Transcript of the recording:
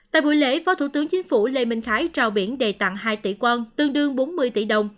tại buổi lễ phó thủ tướng chính phủ lê minh khái trao biển đề tặng hai tỷ quân tương đương bốn mươi tỷ đồng